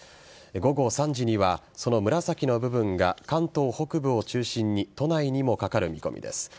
午後３時には、その紫の部分が関東北部を中心に都内にもかかる見込みです。